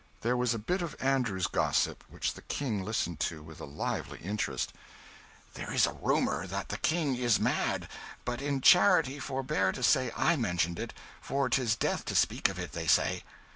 There was a bit of Andrew's gossip which the King listened to with a lively interest "There is rumour that the King is mad. But in charity forbear to say I mentioned it, for 'tis death to speak of it, they say."